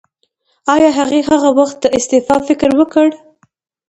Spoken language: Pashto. ایا هغې هغه وخت د استعفا فکر وکړ؟